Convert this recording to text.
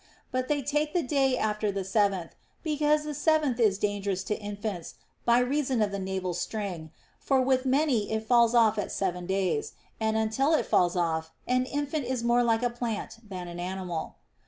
But they take the day after the seventh, because the seventh is dangerous to in fants by reason of the navel string ; for with many it falls off at seven days, and until it falls off, an infant is more like a plant than an animal.